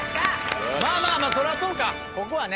まぁまぁまぁそりゃそうかここはね。